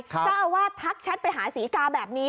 เจ้าอาวาสทักแชทไปหาศรีกาแบบนี้